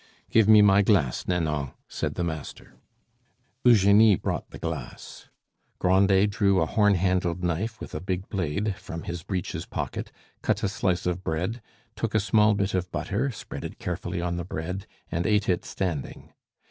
"Give me my glass, Nanon," said the master Eugenie brought the glass. Grandet drew a horn handled knife with a big blade from his breeches' pocket, cut a slice of bread, took a small bit of butter, spread it carefully on the bread, and ate it standing.